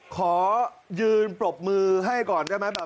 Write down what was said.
ขอยืนปรบมือให้ก่อนได้ไหม